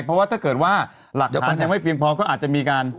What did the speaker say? เพราะว่าถ้าเกิดว่าหลักฐานยังไม่เพียงพอก็อาจจะมีการ